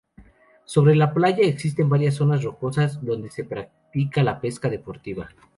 Sobre la playa existen varias zonas rocosas donde se práctica la pesca deportiva.